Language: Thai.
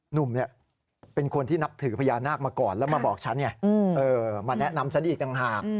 หนุ่มเป็นคนที่นับถือพญานาคมาก่อนแล้วมาบอกฉันไงมาแนะนำฉันอีกต่างหาก